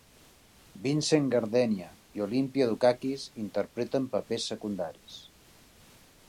Vincent Gardenia i Olympia Dukakis interpreten papers secundaris.